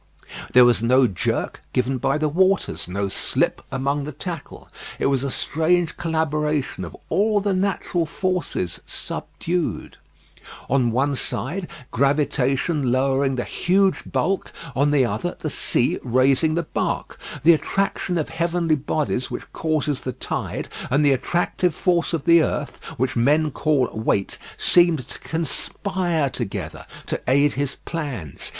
There was no jerk given by the waters, no slip among the tackle. It was a strange collaboration of all the natural forces subdued. On one side, gravitation lowering the huge bulk, on the other the sea raising the bark. The attraction of heavenly bodies which causes the tide, and the attractive force of the earth, which men call weight, seemed to conspire together to aid his plans.